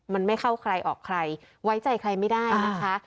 มันไม่เข้าใครออกใครไว้ใจใครไม่ได้นะคะ